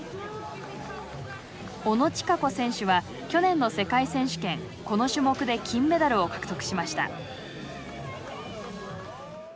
小野智華子選手は去年の世界選手権この種目で金メダルを獲得しました。